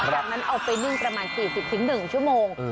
จากนั้นเอาไปนึ่งประมาณ๔๐๑ชั่วโมง